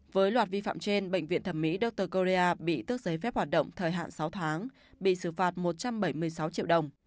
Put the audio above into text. với loạt vi phạm trên bệnh viện thẩm mỹ dottercorea bị tước giấy phép hoạt động thời hạn sáu tháng bị xử phạt một trăm bảy mươi sáu triệu đồng